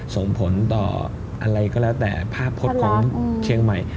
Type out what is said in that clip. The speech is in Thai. ส่งผลต่ออะไรก็แล้วแต่ภาพพจน์ของเชียงใหม่